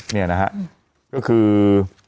เนี่ยนะครับก็คือ